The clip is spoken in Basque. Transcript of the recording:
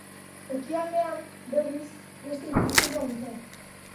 Ekialdean, berriz, beste ikuspegia dute.